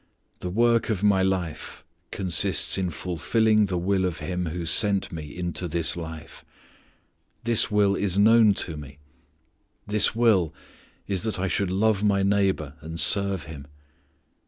The work of my life consists in fulfilling the will of Him who sent me into this life. This will is known to me. This will is that I should love my neighbor and serve him.